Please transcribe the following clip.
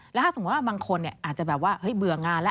แล้วถ้าสมมุติว่าบางคนอาจจะแบบว่าเบื่องานแล้ว